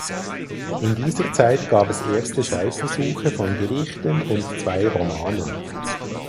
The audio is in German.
In dieser Zeit gab es erste Schreibversuche von Gedichten und zwei Romanen.